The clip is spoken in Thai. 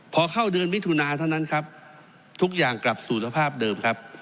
พอเข้าเดือนมิถุนาเท่านั้นครับทุกอย่างกลับสู่สภาพเดิมครับ